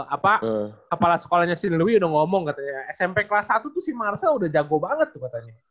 apa kepala sekolahnya silwi udah ngomong katanya smp kelas satu tuh si marsa udah jago banget tuh katanya